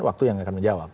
waktu yang akan menjawab